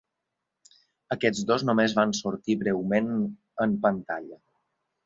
Aquests dos només van sortir breument en pantalla.